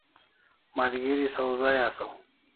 Malgeri sawzai asaw